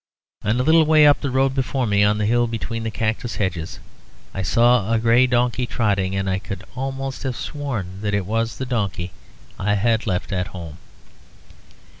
And a little way up the road before me, on the hill between the cactus hedges, I saw a grey donkey trotting; and I could almost have sworn that it was the donkey I had left at home.